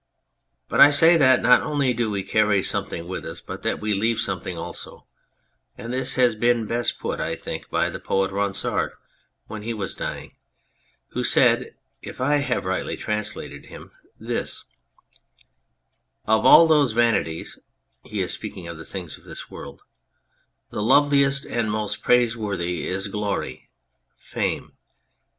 But I say that not only do we carry something with us, but that we leave something also ; and this has been best put, I think, by the poet Ronsard when he was dying, who said, if I have rightly trans lated him, this " Of all those vanities " (he is speaking of the things of this world), " the loveliest and most praise worthy is glory fame.